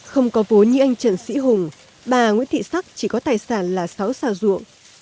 không có vốn như anh trần sĩ hùng bà nguyễn thị sắc chỉ có tài sản là sáu xào ruộng